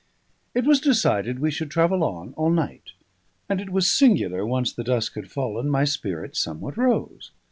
It was decided we should travel on all night; and it was singular, once the dusk had fallen, my spirits somewhat rose.